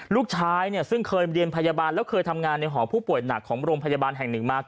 ลูกชายเนี่ยซึ่งเคยเรียนพยาบาลแล้วเคยทำงานในหอผู้ป่วยหนักของโรงพยาบาลแห่งหนึ่งมา